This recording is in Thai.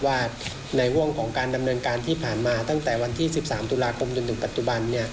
ว่าในห่วงของการดำเนินการที่ผ่านมาตั้งแต่วันที่๑๓ตุลาคมจนถึงปัจจุบัน